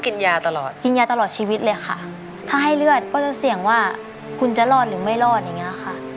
ก็คิดว่าคุณจะรอดหรือไม่รอดเองน่ะค่ะ